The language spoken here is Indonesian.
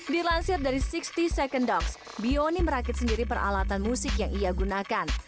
dilansir dari enam puluh second doubs bioni merakit sendiri peralatan musik yang ia gunakan